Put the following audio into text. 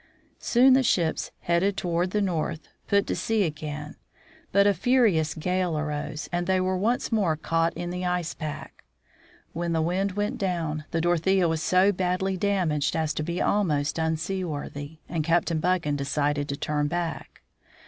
Soon the ships, headed toward the north, put to sea SIR JOHN FRANKLIN 1 3 again, but a furious gale arose, and they were once more caught in the ice pack. When the wind went down, the Dorothea was so badly damaged as to be almost unsea worthy, and Captain Buchan decided to turn back.